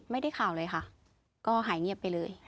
ไม่ได้ข่าวเลยค่ะก็หายเงียบไปเลย